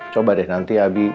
coba deh nanti abi